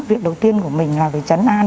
việc đầu tiên của mình là phải chấn an